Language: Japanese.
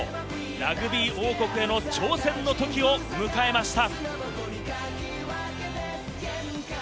ラグビー王国への挑戦のときを迎えました。